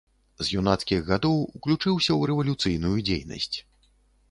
З юнацкіх гадоў уключыўся ў рэвалюцыйную дзейнасць.